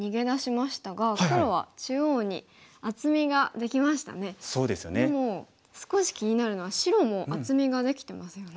でも少し気になるのは白も厚みができてますよね。